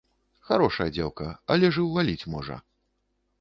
Харошая дзеўка, але ж і ўваліць можа!